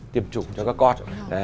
tiêm chủng cho các con